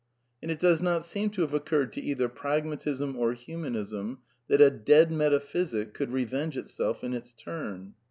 And it does not seem to have occurred to either Pragma tism or Humanism that a dead metaphysic could revenge itself in its turn.